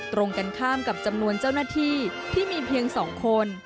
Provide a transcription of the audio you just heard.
ตรงกันข้ามกับจำนวนเจ้าหน้าที่ที่มีเพียง๒คน